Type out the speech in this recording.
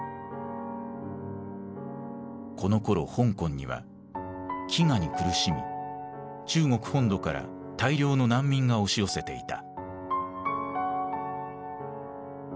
このころ香港には飢餓に苦しみ中国本土から大量の難民が押し寄せていた。